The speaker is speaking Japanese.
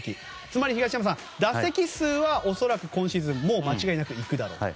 つまり、東山さん打席数は恐らく今シーズン間違いなくいくだろうと。